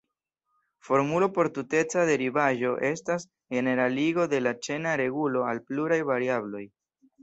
Formulo por tuteca derivaĵo estas ĝeneraligo de la ĉena regulo al pluraj variabloj.